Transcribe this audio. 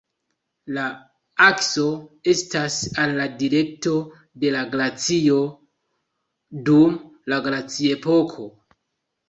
La akso estas al la direkto de la glacio dum la glaciepoko.